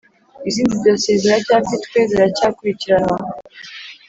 izindi dosiye ziracyafitwe ziracyakurikiranwa.